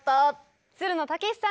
つるの剛士さんです。